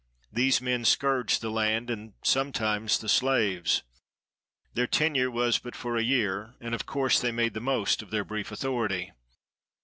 These men scourged the land, and sometimes the slaves. Their tenure was but for a year, and of course they made the most of their brief authority.